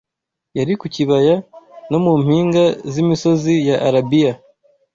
yari ku bibaya no mu mpinga z’imisozi ya Arabiya